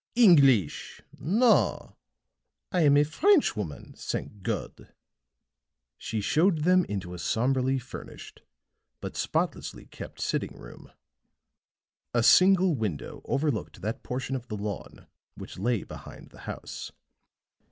"English! No; I am a French woman, thank God!" She showed them into a somberly furnished but spotlessly kept sitting room; a single window overlooked that portion of the lawn which lay behind the house.